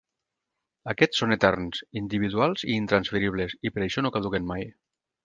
Aquests són eterns, individuals i intransferibles i per això no caduquen mai.